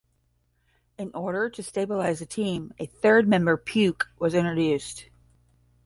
In order to stabilize the team, a third member, Puke, was introduced.